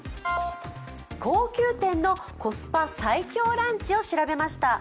高級店のコスパ最強ランチを調べました。